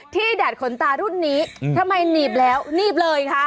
ที่ดาดขนตารุ่นนี้ทำไมหนีบรือหนีบเลยคะ